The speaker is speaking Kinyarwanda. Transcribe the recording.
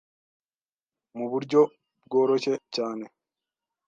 mu buryo bworoshye. cyane